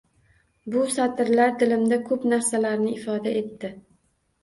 Bu satrlar dilimda ko‘p narsalarni ifoda etdi.